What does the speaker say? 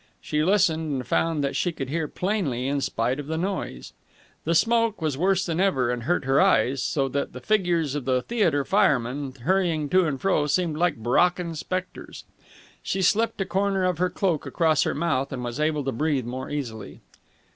She listened, and found that she could hear plainly in spite of the noise. The smoke was worse than ever, and hurt her eyes, so that the figures of the theatre firemen, hurrying to and fro, seemed like Brocken spectres. She slipped a corner of her cloak across her mouth, and was able to breathe more easily.